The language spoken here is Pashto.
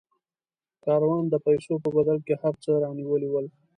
کاروان د پیسو په بدل کې هر څه رانیولي ول.